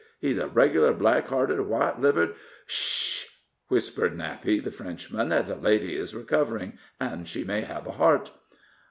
He's a reg'lar black hearted, white livered " "Sh h h!" whispered Nappy, the Frenchman. "The lady is recovering, and she may have a heart."